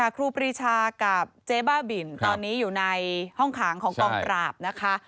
ครูปรีชากับเจ๊บ้าบินตอนนี้อยู่ในห้องขังของกองปราบนะคะ